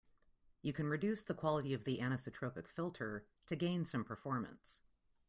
You can reduce the quality of the anisotropic filter to gain some performance.